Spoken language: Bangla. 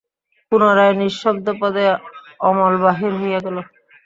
পুনরায় নিঃশব্দপদে অমল বাহির হইয়া গেল।